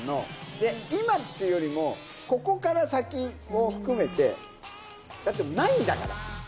で、今っていうよりも、ここから先も含めて、だって、ないんだから！